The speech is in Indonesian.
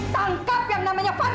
tangkap yang namanya fadil